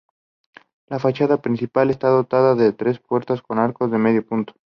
La fachada principal está dotada de tres puertas con arcos de medio punto.